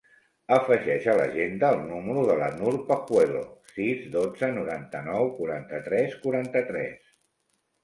Afegeix a l'agenda el número de la Noor Pajuelo: sis, dotze, noranta-nou, quaranta-tres, quaranta-tres.